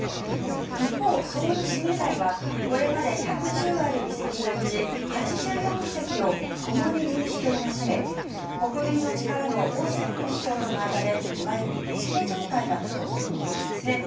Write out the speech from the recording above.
一方、ソウル市議会はこれまで１１０ある議席のうち８４議席を共に民主党が占め国民の力のオ・セフン市長との間でいわゆる、ねじれ状態だったということなんですね。